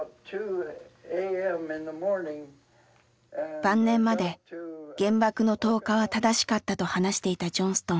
晩年まで原爆の投下は正しかったと話していたジョンストン。